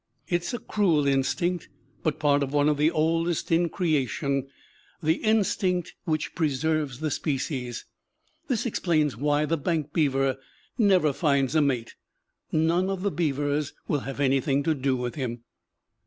It is a cruel instinct, but part of one of the oldest in creation, the instinct which preserves the species. This explains why the bank beaver never finds a mate; none of the beavers will have anything to do with him.